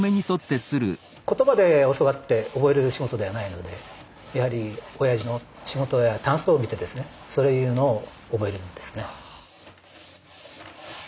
言葉で教わって覚える仕事ではないのでやはりおやじの仕事やたんすを見てそういうのを覚えるんですね。